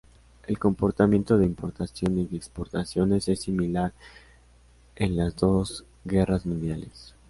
El comportamiento de importaciones y exportaciones es similar en las dos Guerras Mundiales.